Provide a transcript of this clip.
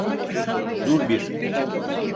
Dur bir…